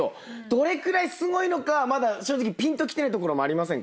どれくらいすごいのかまだ正直ぴんときてないところもありませんか？